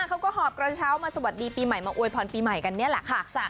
เขาก็หอบกระเช้ามาสวัสดีปีใหม่มาอวยพรปีใหม่กันนี่แหละค่ะ